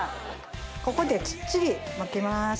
ここできっちり巻きます。